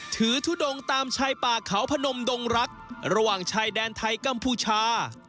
ทุดงตามชายป่าเขาพนมดงรักระหว่างชายแดนไทยกัมพูชา